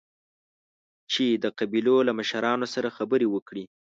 چې د قبيلو له مشرانو سره خبرې وکړي.